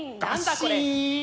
これ。